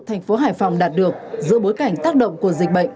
thành phố hải phòng đạt được giữa bối cảnh tác động của dịch bệnh